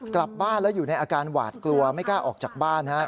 กลับบ้านแล้วอยู่ในอาการหวาดกลัวไม่กล้าออกจากบ้าน